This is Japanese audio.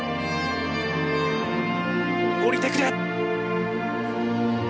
降りてくれ。